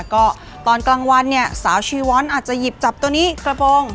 ก็ตอนกลางวันเนี่ยสาวชีวอนอาจจะหยิบจับตัวนี้กระโปรง